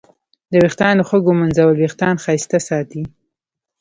د ویښتانو ښه ږمنځول وېښتان ښایسته ساتي.